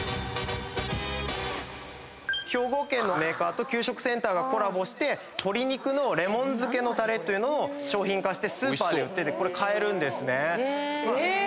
兵庫県のメーカーと給食センターがコラボして鶏肉のレモン漬けのたれというのを商品化してスーパーで売っててこれ買えるんですね。